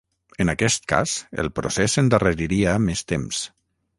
En aquest cas, el procés s’endarreriria més temps.